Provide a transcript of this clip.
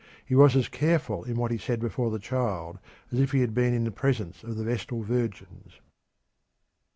He was as careful in what he said before the child as if he had been in the presence of the vestal virgins.